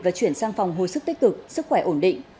và chuyển sang phòng hồi sức tích cực sức khỏe ổn định